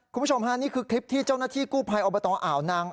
คุณผู้ชมฮะนี่คือคลิปที่เจ้าหน้าที่กู้ภัยอบตอ่าวนาง